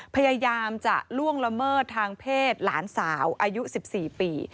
พยายามจะล่วงละเมิดทางเพศหลานสาวอายุ๑๔ปี